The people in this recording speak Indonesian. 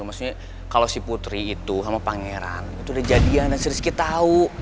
maksudnya kalau si putri itu sama pangeran itu udah jadian dan si rizky tahu